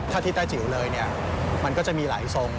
ถ้าที่แต้จิ๋วเลยเนี่ยมันก็จะมีหลายทรง